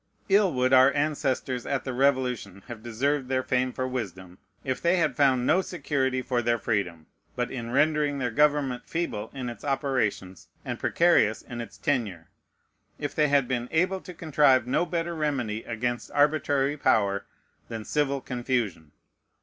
Ill would our ancestors at the Revolution have deserved their fame for wisdom, if they had found no security for their freedom, but in rendering their government feeble in its operations and precarious in its tenure, if they had been able to contrive no better remedy against arbitrary power than civil confusion.